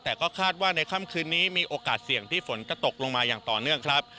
แต่ก็คาดว่าในค่ำคืนนี้มีโอกาสเสี่ยงที่ฝนก็ตกลงมาอย่างต่อเนื่องครับ